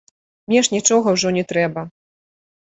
Мне ж нічога ўжо не трэба.